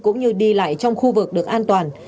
cũng như đi lại trong khu vực được an toàn